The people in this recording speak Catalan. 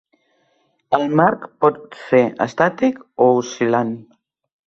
El marc pot ser estàtic o oscil·lant.